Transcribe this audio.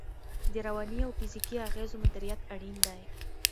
د رواني او فزیکي اغېزو مدیریت اړین دی.